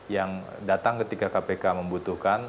yang datang ketika kpk membutuhkan